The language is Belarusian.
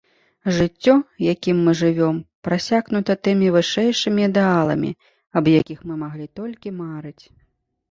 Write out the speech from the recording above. Жыццё, якім мы жывём, прасякнута тымі вышэйшымі ідэаламі, аб якіх мы маглі толькі марыць.